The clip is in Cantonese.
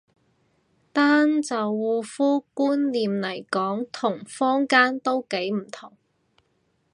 單就護膚觀念嚟講同坊間都幾唔同